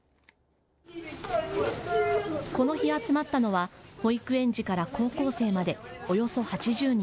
この日集まったのは保育園児から高校生までおよそ８０人。